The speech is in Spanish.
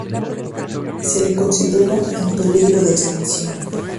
Se le considera en peligro de extinción.